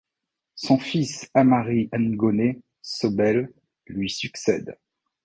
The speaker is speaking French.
Son fils Amary Ngoné Sobel lui succède.